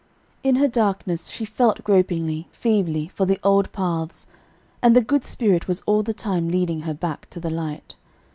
In her darkness she felt gropingly, feebly, for the old paths, and the good Spirit was all the time leading her back to the light.